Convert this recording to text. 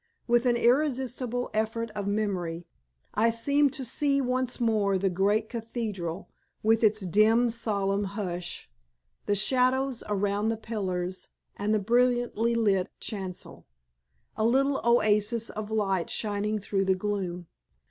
With an irresistible effort of memory I seemed to see once more the great cathedral, with its dim, solemn hush, the shadows around the pillars, and the brilliantly lit chancel, a little oasis of light shining through the gloom.